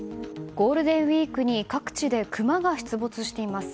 ゴールデンウィークに各地でクマが出没しています。